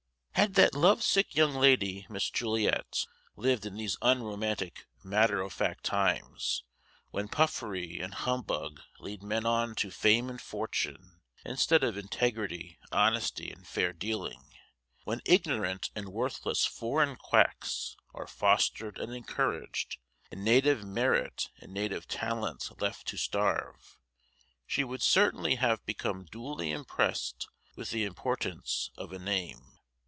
Had that love sick young lady, Miss Juliet, lived in these unromantic, matter o' fact times, when puffery and humbug lead men on to fame and fortune, instead of integrity, honesty and fair dealing, when ignorant and worthless foreign quacks are fostered and encouraged, and native merit and native talent left to starve, she would certainly have become duly impressed with the importance of a "name."